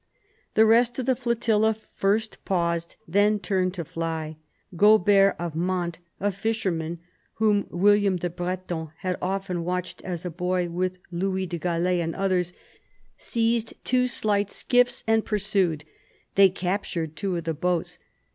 The rest of the flotilla first paused, then turned to fly. Gaubert of Mantes, a fisherman whom William the Breton had often watched as a boy, with Louis des Galees and others, seized two slight skiffs and pursued. They captured two of the boats.